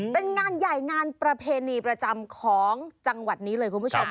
เป็นงานใหญ่งานประเพณีประจำของจังหวัดนี้เลยคุณผู้ชม